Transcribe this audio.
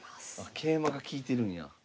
桂馬が利いてるんや。